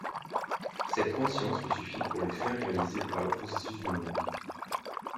Cette conscience lui suffit pour les fins réalisées par le processus du monde.